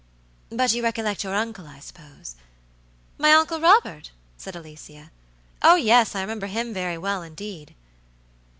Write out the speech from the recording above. "But you recollect your uncle, I suppose." "My Uncle Robert?" said Alicia. "Oh, yes, I remember him very well, indeed."